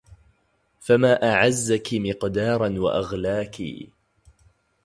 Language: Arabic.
فما أعزكِ مِقداراً وأغلاكِ